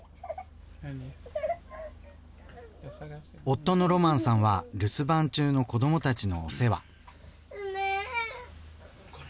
夫のロマンさんは留守番中の子どもたちのお世話。